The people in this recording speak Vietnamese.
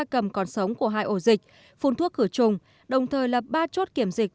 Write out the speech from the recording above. cầm còn sống của hai ổ dịch phun thuốc cửa chung đồng thời lập ba chốt kiểm dịch